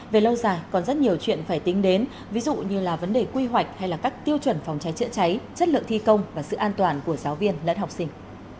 về lâu dài còn rất nhiều chuyện phải tính đến ví dụ như là vấn đề quy hoạch hay là các tiêu chuẩn phòng cháy chữa cháy chất lượng thi công và sự an toàn của giáo viên lẫn học sinh